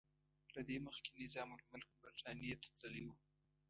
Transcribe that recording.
له دې مخکې نظام الملک برټانیې ته لیکلي وو.